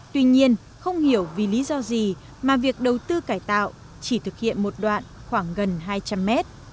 tuy nhiên không hiểu vì lý do gì mà việc đầu tư cải tạo chỉ thực hiện một đoạn khoảng gần hai trăm linh mét